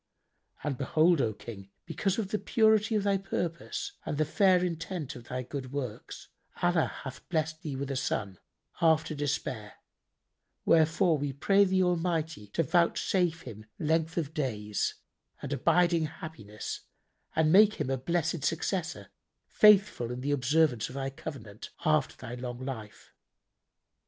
And behold, O King, because of the purity of thy purpose and the fair intent of thy good works, Allah hath blessed thee with a son, after despair: wherefore we pray the Almighty to vouchsafe him length of days and abiding happiness and make him a blessed successor, faithful in the observance of thy covenant, after thy long life."